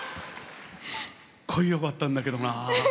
すごいよかったんだけどな。